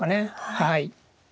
はい。